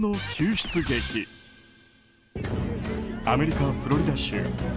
アメリカ・フロリダ州。